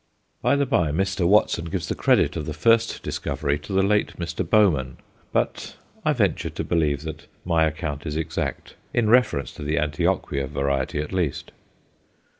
By the bye, Mr. Watson gives the credit of the first discovery to the late Mr. Bowman; but I venture to believe that my account is exact in reference to the Antioquia variety, at least.